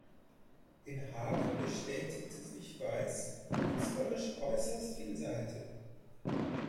In Hagen betätigte sich Weiß künstlerisch äußerst vielseitig.